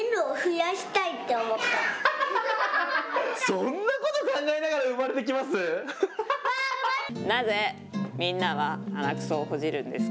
そんなこと考えながら生まれてきます？